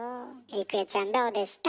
郁恵ちゃんどうでした？